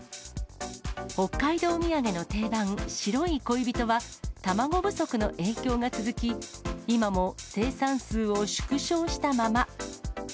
北海道土産の定番、白い恋人は、卵不足の影響が続き、今も生産数を縮小したまま。